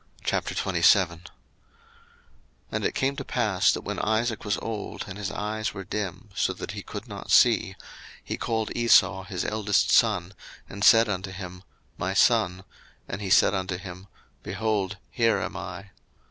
01:027:001 And it came to pass, that when Isaac was old, and his eyes were dim, so that he could not see, he called Esau his eldest son, and said unto him, My son: and he said unto him, Behold, here am I.